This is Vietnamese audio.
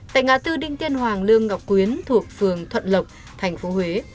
tại ngã tư đinh tiên hoàng lương ngọc quyến thuộc phường thuận lộc thành phố huế